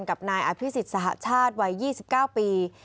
กับไน่อภิษฐชตรรท์ทหาชาติไว้๑๒๙ปี